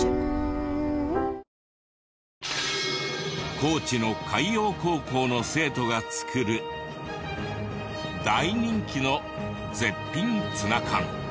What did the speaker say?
高知の海洋高校の生徒が作る大人気の絶品ツナ缶。